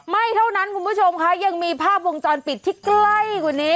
ไม่เท่านั้นคุณผู้ชมค่ะยังมีภาพวงจรปิดที่ใกล้กว่านี้